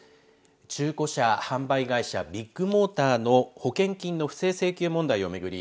中古車販売会社ビッグモーターの保険金の不正請求問題を巡り